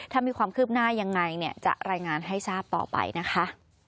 ถ้ามีความคืบหน้ายังไงเนี่ยจะรายงานให้ทราบต่อไปนะคะ